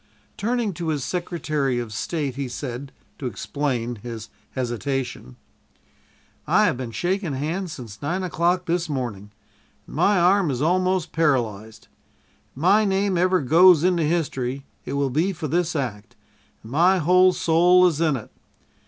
Turning to his Secretary of State, he said, to explain his hesitation: "I have been shaking hands since nine o'clock this morning, and my arm is almost paralyzed. If my name ever goes into history, it will be for this act, and my whole soul is in it.